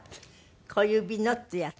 『小指の』っていうやつ。